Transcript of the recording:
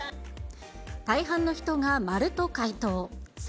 大半の人が〇と回答。